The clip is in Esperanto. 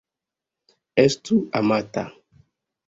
Estu amata.